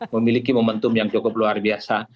memiliki momentum yang cukup luar biasa